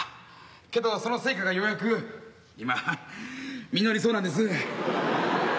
けどその成果がようやく今実りそうなんです。